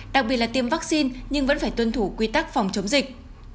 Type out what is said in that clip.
đặc biệt là tiêm vaccine nhưng vẫn phải tuân thủ quy tắc phòng chống dịch